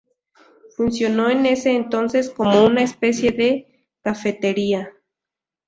Funcionó en ese entonces como una especie de cafetería.